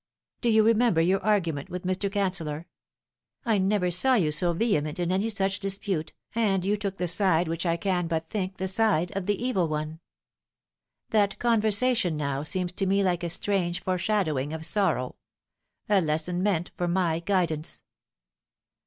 " Do you remember your argument with Mr. Canceller ? I never saw you so vehement in any such dispute, and you took the side which I can but think the side of the Evil One. That conversation now seems to me like a strange foreshadowing of sorrow a lesson meant for my guidance.